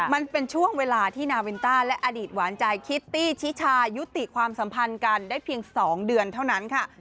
มันเป็นช่วงเวลาที่นาวินต้าและอดีตหวานใจคิตตี้ชิชายุติความสัมพันธ์กันได้เพียง๒เดือนเท่านั้นค่ะ